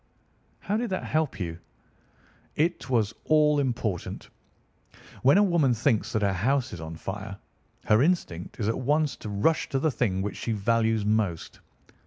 "How did that help you?" "It was all important. When a woman thinks that her house is on fire, her instinct is at once to rush to the thing which she values most.